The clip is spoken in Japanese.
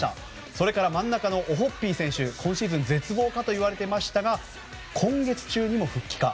それから真ん中のオホッピー選手今シーズン絶望かといわれていましたが今月中にも復帰か。